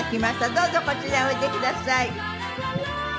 どうぞこちらへおいでください。